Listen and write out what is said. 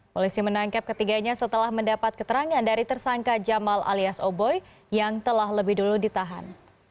polisi menangkap ketiganya setelah mendapat keterangan dari tersangka jamal alias oboi yang telah lebih dulu ditahan